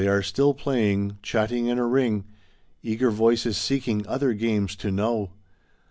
they still are playing, chatting in a ring, Eager voices seeking other games to know.